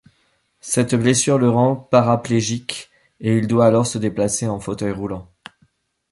Cette blessure le rend paraplégique et il doit alors se déplacer en fauteuil roulant.